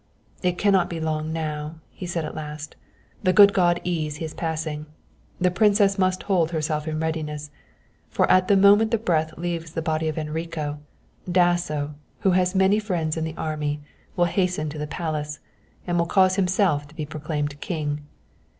"It cannot be long now," he said at last; "the good God ease his passing. The princess must hold herself in readiness, for at the moment the breath leaves the body of Enrico, Dasso, who has many friends in the army, will hasten to the Palace, and will cause himself to be proclaimed king.